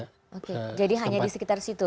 oke jadi hanya di sekitar situ